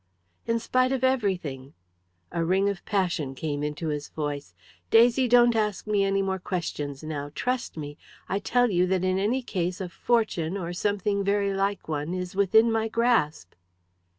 "In spite of everything." A ring of passion came into his voice. "Daisy, don't ask me any more questions now. Trust me! I tell you that in any case a fortune, or something very like one, is within my grasp."